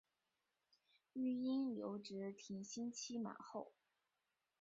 育婴留职停薪期满后